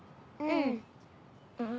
うん。